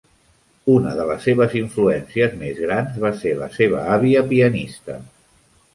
Una de les seves influències més grans va ser la seva àvia pianista.